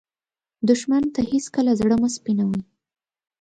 دښمن ته هېڅکله زړه مه سپينوې